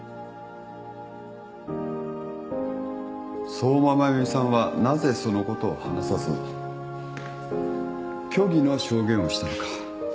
相馬真弓さんはなぜそのことを話さず虚偽の証言をしたのか。